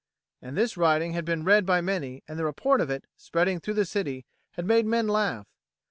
And this writing had been read by many, and the report of it, spreading through the city, had made men laugh.